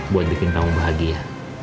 buat bikin kamu bahagia